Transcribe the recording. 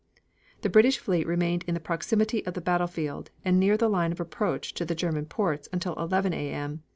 The British fleet remained in the proximity of the battlefield and near the line of approach to the German ports until 11 A.M.